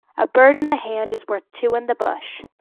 A bird in the hand is worth two in the bush.